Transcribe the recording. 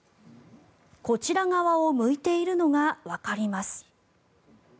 こちら側を向いているのがわかります。